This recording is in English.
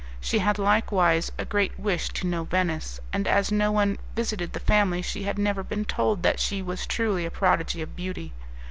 She had likewise a great wish to know Venice, and as no one visited the family she had never been told that she was truly a prodigy of beauty.